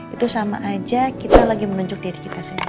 itu sama aja kita lagi menunjuk diri kita sendiri